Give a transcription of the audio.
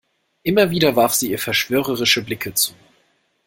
Immer wieder warf sie ihr verschwörerische Blicke zu.